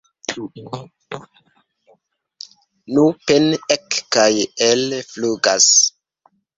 Nur pene ek- kaj el-flugas.